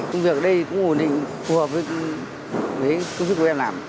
công việc ở đây cũng ổn định phù hợp với công sức của em làm